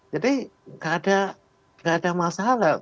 jadi nggak ada masalah